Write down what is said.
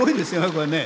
これね